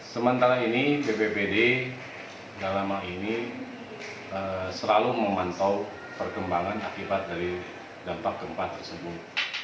sementara ini bpbd dalam hal ini selalu memantau perkembangan akibat dari dampak gempa tersebut